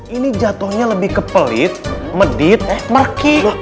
ini jatohnya lebih kepelit medit merki